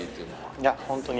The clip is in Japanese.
いや本当に。